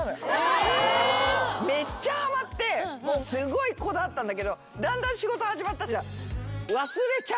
めっちゃはまってすごいこだわったんだけどだんだん仕事始まったじゃん。